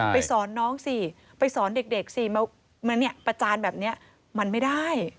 สอนน้องสิไปสอนเด็กสิมาประจานแบบนี้มันไม่ได้